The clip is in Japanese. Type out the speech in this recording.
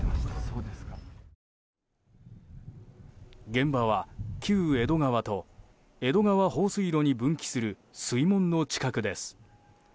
現場は、旧江戸川と江戸川放水路に分岐する水門の近くです。